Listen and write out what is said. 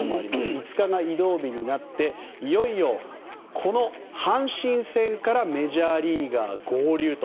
５日が移動日になっていよいよ、この阪神戦からメジャーリーガー合流と。